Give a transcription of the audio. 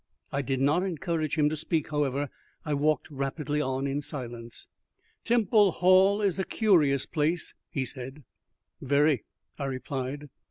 I did not encourage him to speak, however; I walked rapidly on in silence. "Temple Hall is a curious place," he said. "Very," I replied.